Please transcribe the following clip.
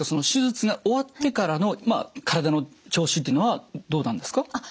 手術が終わってからの体の調子っていうのはどうなんですか？